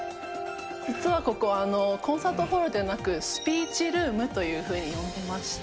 実はここ、コンサートホールではなく、スピーチルームというふうに呼んでまして。